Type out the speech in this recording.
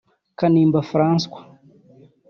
Kanimba Francois